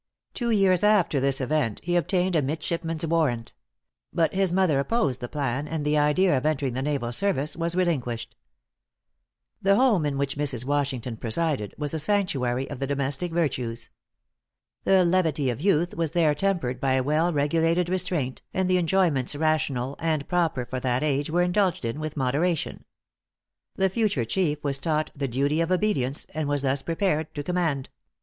Two years after this event, he obtained a midshipman's warrant; but his mother opposed the plan, and the idea of entering the naval service was relinquished. The home in which Mrs. Washington presided, was a sanctuary of the domestic virtues. The levity of youth was there tempered by a well regulated restraint, and the enjoyments rational and proper for that age were indulged in with moderation. The future chief was taught the duty of obedience, and was thus prepared to command.